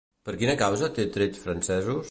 Per quina causa té trets francesos?